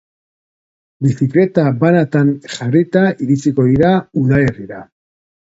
Bizikleta banatan jarrita iritsiko dira udalerrira.